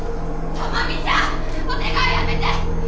朋美ちゃんお願いやめて！